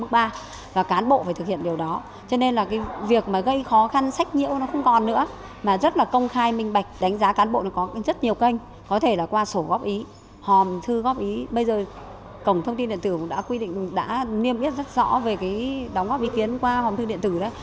bây giờ cổng thông tin điện tử cũng đã quy định đã niêm yết rất rõ về cái đóng góp ý kiến qua hòm thư điện tử đó